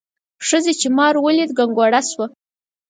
ښځې چې مار ولید کنګوره شوه.